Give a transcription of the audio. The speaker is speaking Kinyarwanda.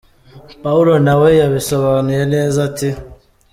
Pawulo nawe yabisobanuye neza ati: “….